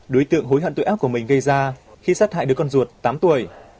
đối tượng hối hận tội ác của mình gây ra khi sát hại đứa con ruột tám tuổi